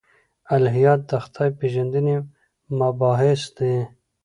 الهیات د خدای پېژندنې مباحث دي.